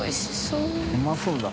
うまそうだ。